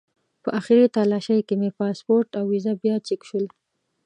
په آخري تالاشۍ کې مې پاسپورټ او ویزه بیا چک شول.